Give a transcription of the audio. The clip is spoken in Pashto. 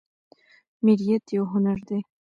میریت یو هنر دی